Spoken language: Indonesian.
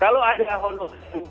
kalau ada honor